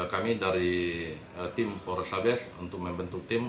kami dari tim polrestabes untuk membentuk tim